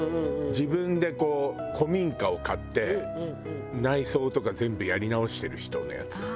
自分で古民家を買って内装とか全部やり直してる人のやつ。